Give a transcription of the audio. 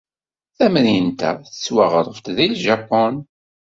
Tamrint-a tettwaɣref-d deg Japun.